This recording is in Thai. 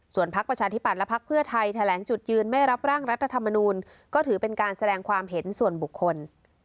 พักประชาธิบัตย์และพักเพื่อไทยแถลงจุดยืนไม่รับร่างรัฐธรรมนูลก็ถือเป็นการแสดงความเห็นส่วนบุคคล